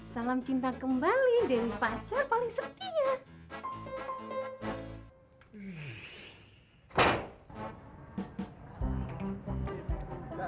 salam cinta kembali dan pacar paling setia